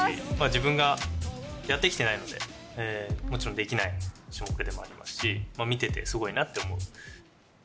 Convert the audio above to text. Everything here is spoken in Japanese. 自分がやってきてないので、もちろんできない種目でもありますし、見ててすごいなと思う。